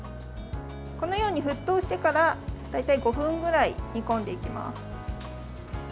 このように沸騰してから大体５分くらい煮込んでいきます。